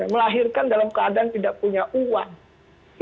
melahirkan dalam keadaan tidak punya uang